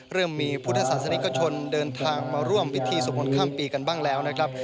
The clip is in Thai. เริ่มมีพุทธศาสนิกชนเดินทางมาร่วมพิธีสวดมนต์ข้ามปีกันบ้างแล้วนะครับ